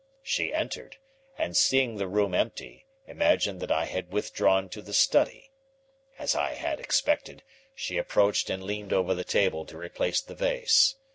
She entered and, seeing the room empty, imagined that I had withdrawn to the study. As I had expected, she approached and leaned over the table to replace the vase.